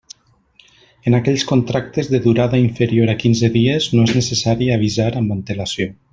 En aquells contractes de durada inferior a quinze dies no és necessari avisar amb antelació.